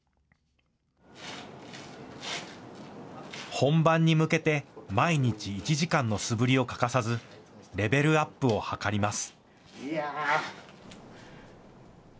本番に向けて毎日１時間の素振りを欠かさずレベルアップを図ります。